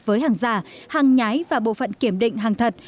với hàng giả hàng nhái và bộ phận kiểm định hàng thật